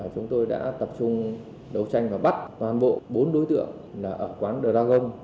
chúng tôi đã tập trung đấu tranh và bắt toàn bộ bốn đối tượng ở quán dragon